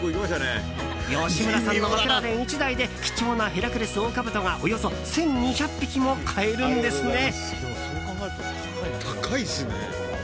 吉村さんのマクラーレン１台で貴重なヘラクレスオオカブトがおよそ１２００匹も買えるんですね。